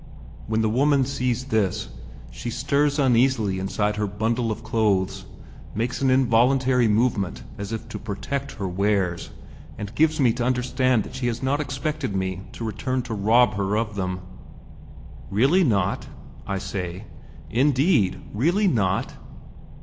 When the woman sees this, she stirs uneasily inside her bundle of clothes, makes an involuntary movement as if to protect her wares, and gives me to understand that she had not expected me to return to rob her of them. "Really not?" I say, "indeed, really not?"